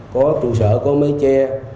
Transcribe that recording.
có trụ sở có mê che